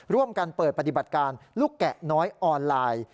ร่วมกันเปิดปฏิบัติการลูกแกะน้อยออนไลน์